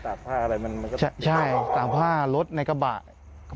ผ้าอะไรมันมันก็ใช่ตากผ้ารถในกระบะ